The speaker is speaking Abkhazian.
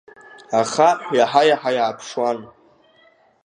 Ахаҳә иаҳа-иаҳа иааԥшуан.